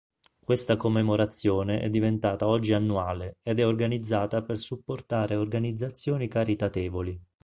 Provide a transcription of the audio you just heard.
Questa commemorazione è diventata oggi annuale ed è organizzata per supportare organizzazioni caritatevoli.